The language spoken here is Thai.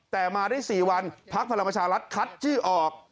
แต่มาได้๔วันพักพลังประชารัฐคัดชื่อออก